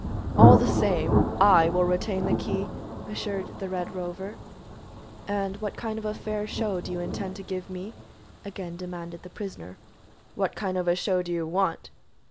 "All the same, I will retain the key," assured the Red Rover. "And what kind of a fair show do you intend to give me?" again demanded the prisoner. "What kind of a show do you want?"